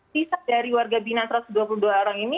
sisa dari warga bina satu ratus dua puluh dua orang ini